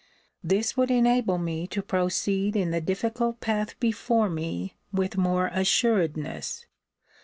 This would enable me to proceed in the difficult path before me with more assuredness.